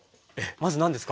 まず何ですか？